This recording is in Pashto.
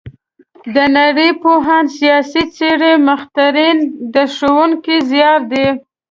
د نړۍ پوهان، سیاسي څېرې، مخترعین د ښوونکي زیار دی.